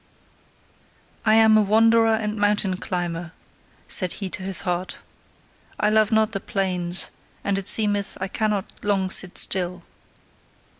I am a wanderer and mountain climber, said he to his heart, I love not the plains, and it seemeth I cannot long sit still.